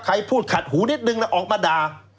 ใครพูดขัดหูนิดนึงนะออกมาด่า